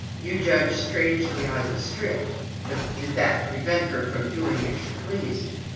You judge strangely——I was strict, but did that prevent her from doing as she pleased?